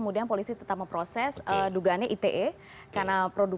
jadi kalauau kita tidak ada langkah howard